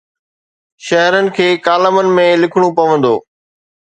شهرن کي ڪالمن ۾ لکڻو پوندو.